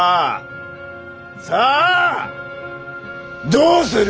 どうする？